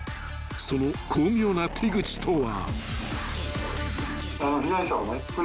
［その巧妙な手口とは］